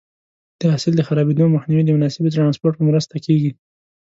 د حاصل د خرابېدو مخنیوی د مناسبې ټرانسپورټ په مرسته کېږي.